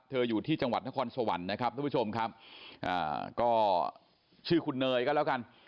อยู่ที่จังหวัดนครสวรรค์นะครับทุกผู้ชมครับอ่าก็ชื่อคุณเนยก็แล้วกัน